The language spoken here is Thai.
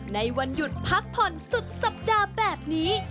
ในวันหยุดพักผ่อนสุดสัปดาห์แบบนี้